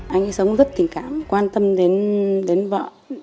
anh ấy sống rất tình cảm quan tâm đến vợ